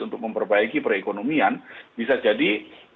untuk memperbaiki perekonomian bisa jadi